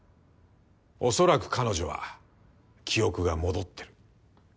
おそらく彼女は記憶が戻ってる。